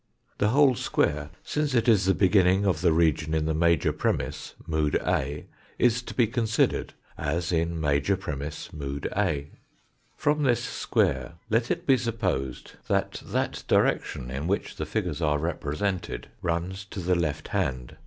The whole square, since it is the beginning of the region in the major premiss, mood A, is to be considered as in major premiss, mood A. THE USE OF FOUR DIMENSIONS IN THOUGHT From this square, let it be supposed that that direc tion in which the figures are represented runs to the left hand.